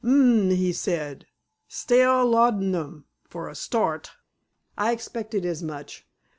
"Um!" he said. "Stale laudanum, for a start. I expected as much.